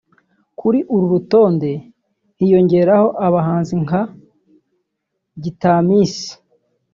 Kuri uru rutonde hiyongeraho abahanzi nka Gitamisi